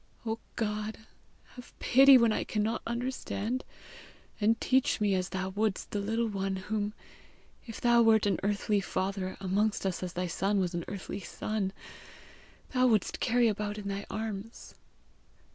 O God, have pity when I cannot understand, and teach me as thou wouldst the little one whom, if thou wert an earthly father amongst us as thy son was an earthly son, thou wouldst carry about in thy arms.